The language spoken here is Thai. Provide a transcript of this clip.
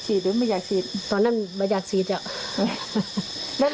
ที่เออน้องชาวน้องสาวพาไปลงเออน้องสาวพาไปลง